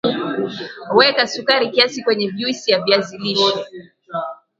weka sukari kiasi kwenye juisi ya viazi lishe